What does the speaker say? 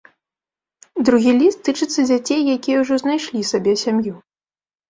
Другі ліст тычыцца дзяцей, якія ўжо знайшлі сабе сям'ю.